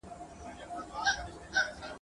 لیکلې ..